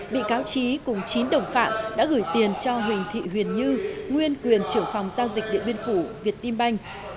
bị cáo trí cùng chín đồng phạm đã gửi tiền cho huỳnh thị huyền như nguyên quyền trưởng phòng giao dịch điện biên phủ việt tim banh